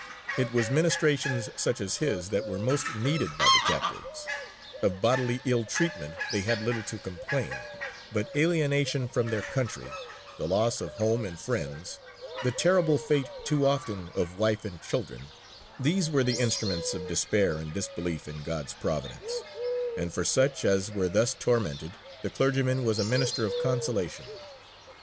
It was ministrations such as his that were most needed by the captives: of bodily ill treatment they had little to complain, but alienation from their country, the loss of home and friends, the terrible fate too often of wife and children these were the instruments of despair and disbelief in God's providence, and for such as were thus tormented the clergyman was a minister of consolation.